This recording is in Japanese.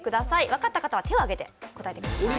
分かった方は手を挙げて答えてください。